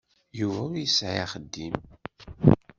Yuba ur yesɛi axeddim.